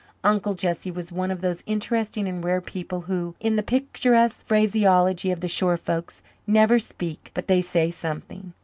Uncle Jesse was one of those interesting and rare people who, in the picturesque phraseology of the shore folks, "never speak but they say something."